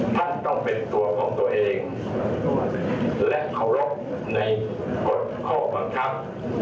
ท่านต้องเป็นตัวของตัวเองและเคารพในกฎข้อบังคับ